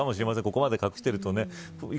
ここまで隠してるとね。